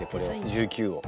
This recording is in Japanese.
１９を。